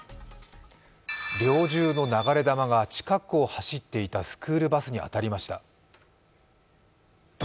猟銃の流れ弾が近くを走っていたスクールバスに当たりました。